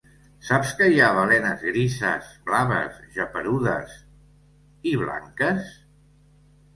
Saps que hi ha balenes grises, blaves, geperudes... i blanques?